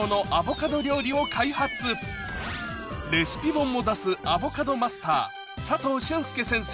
本も出すアボカドマスター佐藤俊介先生